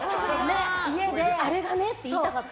あれがね！って言いたかった。